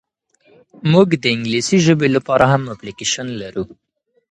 موږ د انګلیسي ژبي لپاره هم اپلیکیشن لرو.